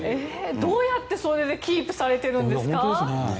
どうやってそれでキープされてるんですか？